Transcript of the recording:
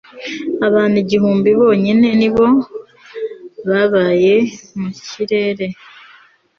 abantu igihumbi bonyine ni bo babaye mu kirere